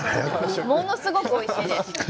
ものすごくおいしいです。